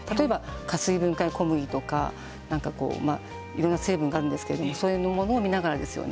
加水分解小麦とかいろんな成分がありますけどそういうものを見ながらですね。